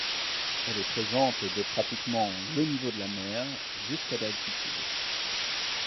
Elle est présente de pratiquement le niveau de la mer jusqu'à d'altitude.